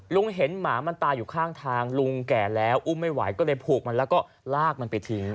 เห็นหมามันตายอยู่ข้างทางลุงแก่แล้วอุ้มไม่ไหวก็เลยผูกมันแล้วก็ลากมันไปทิ้ง